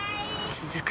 続く